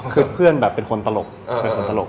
คือเพื่อนแบบเป็นคนตลก